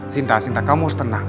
sinta asinta kamu harus tenang